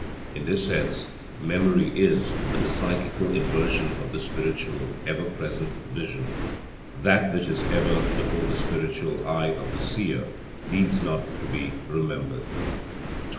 In this sense, memory is but the psychical inversion of the spiritual, ever present vision. That which is ever before the spiritual eye of the Seer needs not to be remembered. 12.